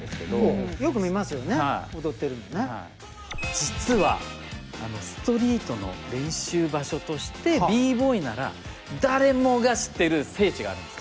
実はストリートの練習場所としてＢ−Ｂｏｙなら誰もが知ってる聖地があるんですよ。